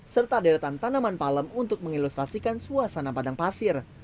serta deretan tanaman palem untuk mengilustrasikan suasana padang pasir